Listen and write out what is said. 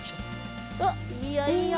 おっいいよいいよ。